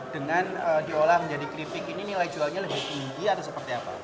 dengan diolah menjadi keripik ini nilai jualnya lebih tinggi atau seperti apa